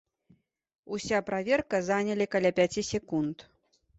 Уся праверка занялі каля пяці секунд.